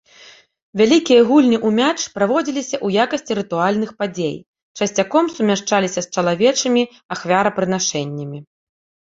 Вялікія гульні ў мяч праводзіліся ў якасці рытуальных падзей, часцяком сумяшчаліся з чалавечымі ахвярапрынашэннямі.